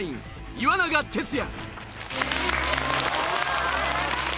岩永徹也。